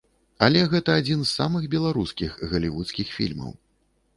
Але гэта адзін з самых беларускіх галівудскіх фільмаў.